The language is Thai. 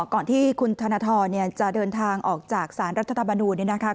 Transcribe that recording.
ก่อนที่คุณธนทรจะเดินทางออกจากสารรัฐธรรมนูลเนี่ยนะคะ